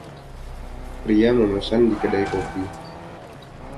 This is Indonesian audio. Pria memesan di kedai kopi.